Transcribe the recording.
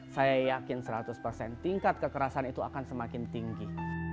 saya yakin seratus persen tingkat kekerasan itu akan semakin tinggi